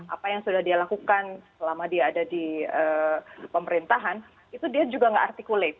apa yang sudah dia lakukan selama dia ada di pemerintahan itu dia juga nggak artikulatif